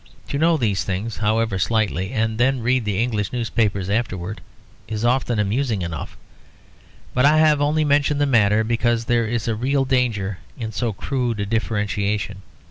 To know these things, however slightly, and then read the English newspapers afterwards is often amusing enough; but I have only mentioned the matter because there is a real danger in so crude a differentiation.